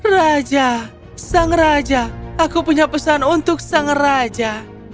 raja sang raja aku punya pesan untuk sang raja